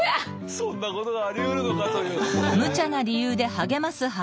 そんなことがありうるのかというね。